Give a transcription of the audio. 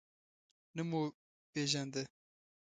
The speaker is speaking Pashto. نه مو پیژانده.